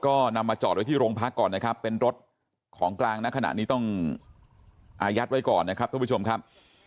ก็นำมาจอดไว้ที่โรงพักก่อนนะครับเป็นรถของกลางนะขณะนี้ต้องอายัดไว้ก่อนนะครับทุกผู้ชมครับ